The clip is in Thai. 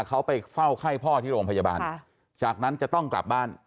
เขาไปเฝ้าไข้พ่อที่โรงพยาบาลจากนั้นจะต้องกลับบ้าน